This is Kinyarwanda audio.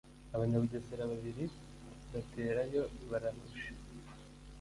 Abanyabugesera babiri baterayo barahusha